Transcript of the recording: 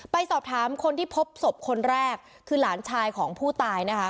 ไปสอบถามคนที่พบศพคนแรกคือหลานชายของผู้ตายนะคะ